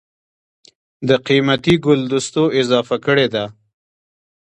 دَ قېمتي ګلدستو اضافه کړې ده